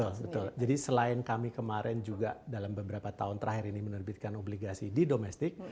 betul jadi selain kami kemarin juga dalam beberapa tahun terakhir ini menerbitkan obligasi di domestik